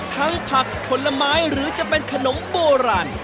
ผักผลไม้หรือจะเป็นขนมโบราณ